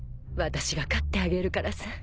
私が飼ってあげるからさ。